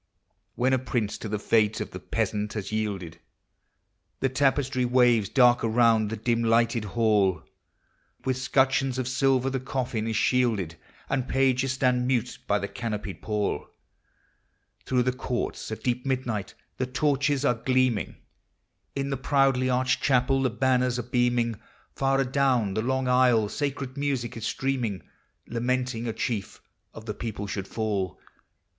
When a prince to the fate oi the peasant has yielded, The 'tapestry waves dark round the dm. lighted hall, With 'scutcheons of silver the coffin is shielded, And pages stand mute by tie canopied pall: Through the courts, at deep midnight, tie torchei are gleaming; 366 POEMS OF NATURE. In the proudly arched chapel the banners are beaming; Far adown the long aisle sacred music is stream Lamenting a Chief of the People should fall.